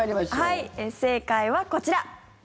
はい、正解はこちら。